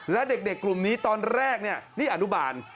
แล้วเด็กกลุ่มนี้ตอนแรกนี่อันดุบาล